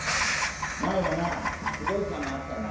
前はなすごいパンがあったんだ